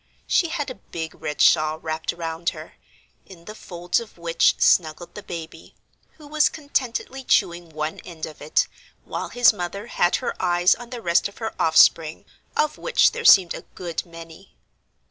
She had a big red shawl wrapped around her, in the folds of which snuggled the baby, who was contentedly chewing one end of it, while his mother had her eyes on the rest of her offspring, of which there seemed a good many.